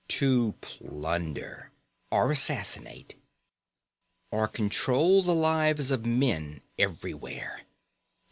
To plunder. Or assassinate. Or control the lives of men, everywhere.